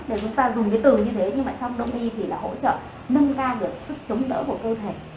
để chúng ta dùng cái từ như thế nhưng mà trong đông y thì là hỗ trợ nâng cao được sức chống đỡ của cơ thể